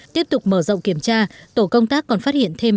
tiếp tục mở rộng kiểm tra tổ công tác còn phát hiện thêm